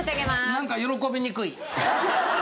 なんか喜びにくい。